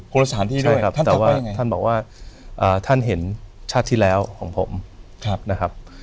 ใช่ครับท่านบอกว่าท่านเห็นชาติที่แล้วของผมนะครับ